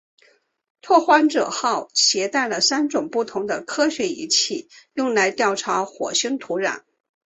拓荒者号携带了三种不同的科学仪器用来调查火星土壤。